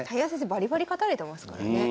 バリバリ勝たれてますからね。